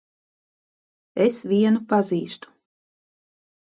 Es vienu pazīstu.